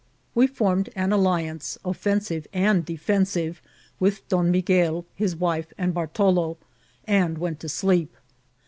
We formed an alliance, offensive and defensive, with Don Miguel, his wife, and Bartalo, and went to sleep.